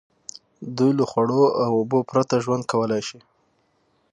دوی له خوړو او اوبو پرته ژوند کولای شي.